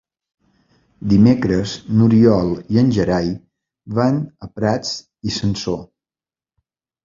Dimecres n'Oriol i en Gerai van a Prats i Sansor.